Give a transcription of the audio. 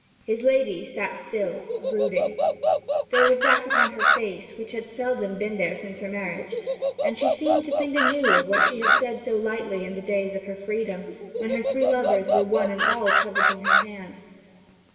His lady sat still, brooding. There was that upon her face which had seldom been there since her marriage; and she seemed to think anew of what she had so lightly said in the days of her freedom, when her three lovers were one and all coveting her hand.